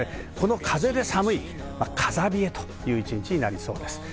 風で寒い、風冷えという一日になりそうです。